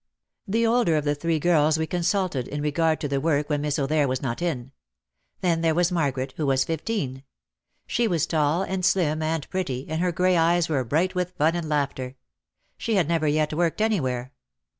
The older of the three girls we consulted in regard to 280 OUT OF THE SHADOW ,. the work when Miss O'There was not in. Then there was Margaret, who was fifteen. She was tall and slim and pretty and her grey eyes were bright with fun and laughter. She had never yet worked anywhere.